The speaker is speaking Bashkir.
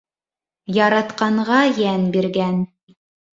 Яратҡанға йән биргән.